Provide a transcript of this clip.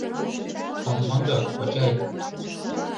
— Ом мондо, кочай!